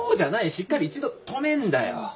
しっかり一度とめんだよ。